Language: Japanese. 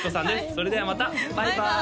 それではまたバイバーイ！